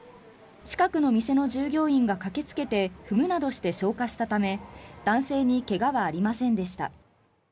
近くの店の従業員が駆けつけて踏むなどして消火したため男性に怪我はありませんでした。